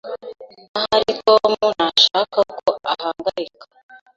Ahari Tom ntashaka ko uhangayika.